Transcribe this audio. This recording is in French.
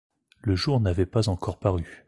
Le jour n’avait pas encore paru.